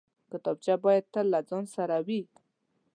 کتابچه باید تل له ځان سره وي